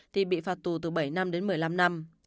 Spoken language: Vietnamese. thì bị phạt tù từ bảy năm đến một mươi năm năm